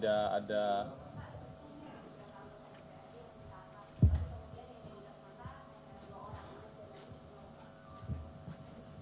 maka ada dua orang yang bisa diperlukan